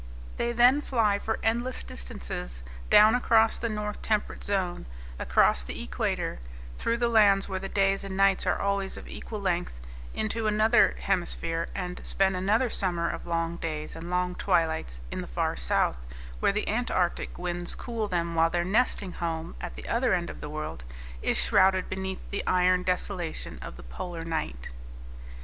They then fly for endless distances down across the north temperate zone, across the equator, through the lands where the days and nights are always of equal length, into another hemisphere, and spend another summer of long days and long twilights in the far south, where the Antarctic winds cool them, while their nesting home, at the other end of the world, is shrouded beneath the iron desolation of the polar night.